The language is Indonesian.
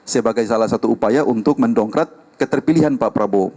sebagai salah satu upaya untuk mendongkrak keterpilihan pak prabowo